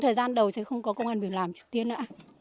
thời gian đầu sẽ không có công an biểu làm trước tiên ạ